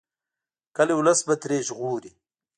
کلي ولس به ترې ژغوري.